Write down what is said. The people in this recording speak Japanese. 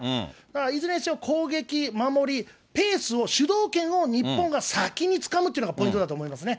いずれにせよ、攻撃、守り、ペースを、主導権を日本が先につかむっていうのがポイントだと思いますね。